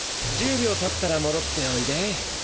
１０秒たったら戻っておいで。